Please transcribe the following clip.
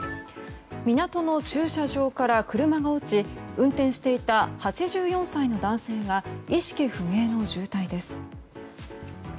港の駐車場から車が落ち運転していた８４歳の男性が意識不明の重体です。